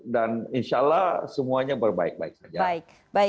dan insya allah semuanya berbaik baik saja